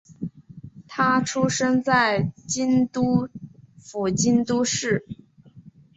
她出生在京都府京都市。